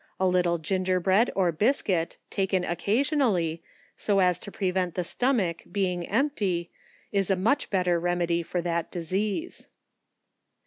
A little gingerbread, or biscuit, taken occa sionally, so as to prevent the stomach being empty, is a much better remedy for that disease.